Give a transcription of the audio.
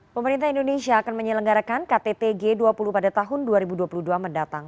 pemerintah indonesia akan menyelenggarakan ktt g dua puluh pada tahun dua ribu dua puluh dua mendatang